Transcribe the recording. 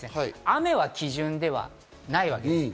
雨は基準ではないわけです。